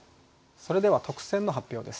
それでは特選の発表です。